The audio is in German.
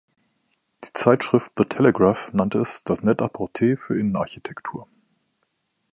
Die Zeitschrift The Telegraph nannte es „das Net-a-Porter für Innenarchitektur“.